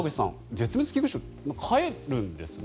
絶滅危惧種飼えるんですね。